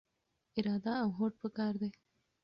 اراده او هوډ پکار دی.